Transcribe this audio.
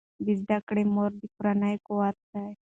د زده کړې مور د کورنۍ قوت ده.